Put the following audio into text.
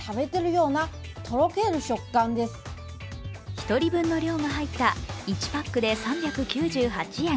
一人分の量が入った１パックで３９８円。